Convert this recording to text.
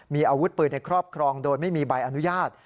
มีอาวุธปืนในครอบครองโดยไม่มีใบอนุญาต